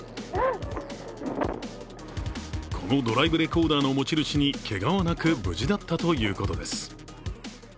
このドライブレコーダーの持ち主にけがはなく、無事だったということです。